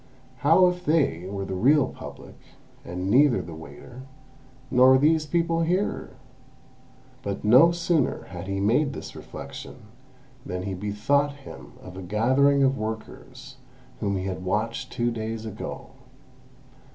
How if they were the real Public, and neither the waiter, nor these people here!" But no sooner had he made this reflection, than he bethought him of a gathering of workers whom he had watched two days ago.